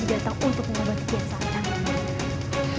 dia datang untuk mengobati kian santang